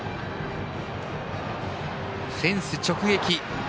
フェンス直撃。